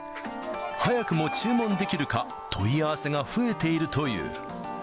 早くも注文できるか、問い合わせが増えているという。